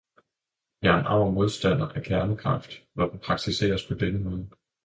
Jeg er derfor en arg modstander af kernekraft, når den praktiseres på denne måde.